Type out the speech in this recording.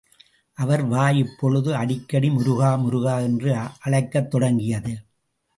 அவர் வாய் இப்பொழுது அடிக்கடி முருகா, முருகா என்று அழைக்கத் தொடங்கியது.